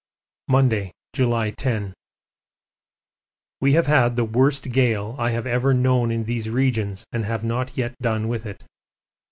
Monday, July 10. We have had the worst gale I have ever known in these regions and have not yet done with it.